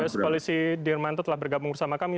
polisi dirmanto telah bergabung bersama kami